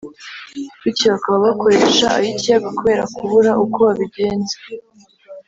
bityo bakaba bakoresha ay’ikiyaga kubera kubura uko babigenza